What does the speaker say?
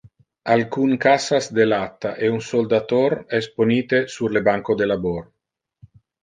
Alcun cassas de latta e un soldator es ponite sur le banco de labor.